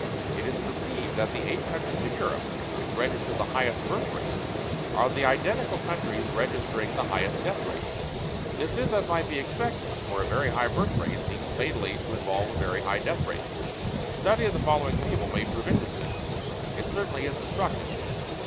It is perceived that THE EIGHT COUNTRIES OF EUROPE WHICH REGISTER THE HIGHEST BIRTH RATE ARE THE IDENTICAL COUNTRIES REGISTERING THE HIGHEST DEATH RATE. This is as might be expected, for a very high birth rate seems fatally to involve a very high death rate. The study of the following table may prove interesting it certainly is instructive.